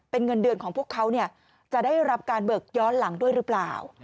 เป็นเงินเดือนของพวกเขาจะได้รับการเบิกย้อนหลังด้วยหรือเปล่า